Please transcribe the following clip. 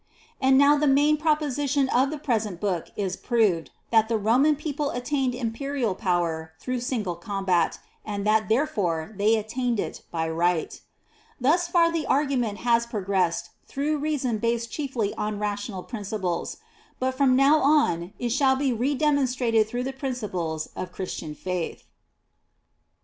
7. And now the main proposition of the pre sent book is proved, that the Rom^n_ people attainedjrnpeml power through single combat, and that therefore they attained it by Right. 8. Thus far the argument has progressed through reas9n based chiefly on rational prin dples, but from now on it shall be re demon strated through the principles of Christian faith.